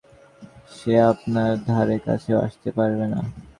সে আপনার ধারে কাছেও আসতে পারবে না।